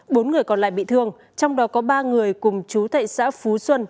bốn người còn lại bị thương trong đó có ba người cùng chú thệ xã phú xuân